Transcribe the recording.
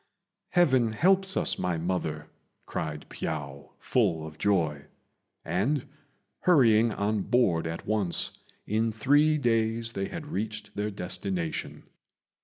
"Heaven helps us, my mother!" cried Piao, full of joy; and, hurrying on board at once, in three days they had reached their destination.